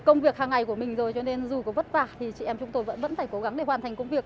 công việc hàng ngày của mình rồi cho nên dù có vất vả thì chị em chúng tôi vẫn phải cố gắng để hoàn thành công việc